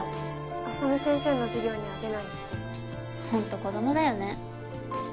浅見先生の授業には出ないって・ホント子供だよね